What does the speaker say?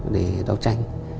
để đấu tranh